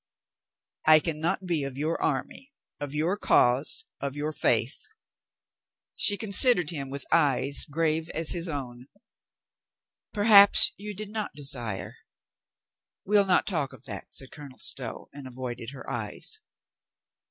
"I can not be of your army, of your cause, of your faith." She considered him with eyes grave as his own. "Perhaps you did not desire." "We'll not talk of that," said Colonel Stow, and avoided her eyes.